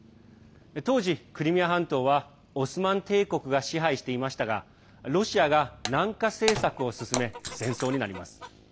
当時、クリミア半島はオスマン帝国が支配していましたがロシアが南下政策を進め戦争になります。